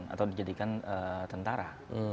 atau dijadikan tentara